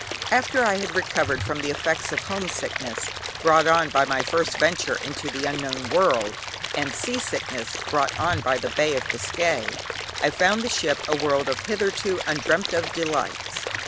After I had recovered from the effects of homesickness, brought on by my first venture into the unknown world, and sea sickness brought on by the Bay of Biscay, I found the ship a world of hitherto undreamt of delights.